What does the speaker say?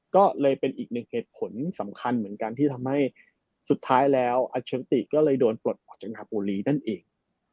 ก็เลยเป็นอีกหนึ่งเหตุผลสำคัญเหมือนกันที่ทำให้สุดท้ายแล้วอัลเชอร์ติก็เลยโดนปลดออกจากฮาโอลีนั่นเอง